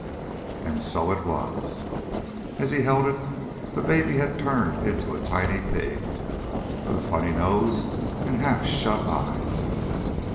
And so it was! As he held it the baby had turned into a tiny pig, with a funny nose and half shut eyes.